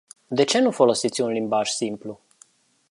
De ce nu folosiți un limbaj simplu?